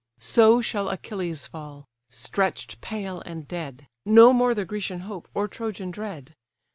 So shall Achilles fall! stretch'd pale and dead, No more the Grecian hope, or Trojan dread!